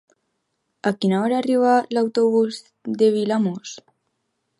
A quina hora arriba l'autobús de Vilamòs?